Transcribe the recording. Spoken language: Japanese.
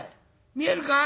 見えるか？